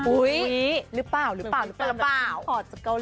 อุ๊ยหรือเปล่าหรือเปล่า